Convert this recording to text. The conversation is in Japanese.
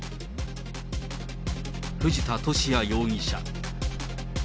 藤田聖也容疑者。